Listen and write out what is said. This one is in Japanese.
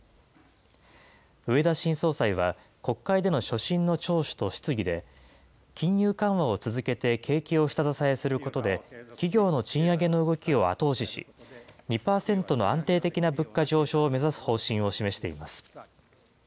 植田新総裁は、国会での所信の聴取と質疑で、金融緩和を続けて景気を下支えすることで、企業の賃上げの動きを後押しし、２％の安定的な物価上昇を目指す方針を示しています。